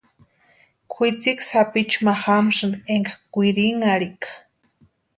Kwʼitsiki sapichu ma jamsïnti énka kwirinharhika.